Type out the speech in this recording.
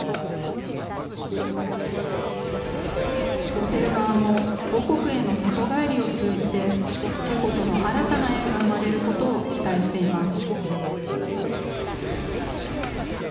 ホテル側も、母国への里帰りを通じて、チェコとの新たな縁が生まれることを期待しています。